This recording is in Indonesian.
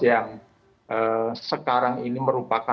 yang sekarang ini merupakan